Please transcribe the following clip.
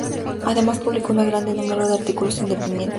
Además publicó un gran número de artículos independientes.